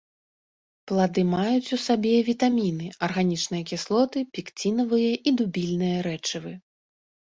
Плады маюць у сабе вітаміны, арганічныя кіслоты, пекцінавыя і дубільныя рэчывы.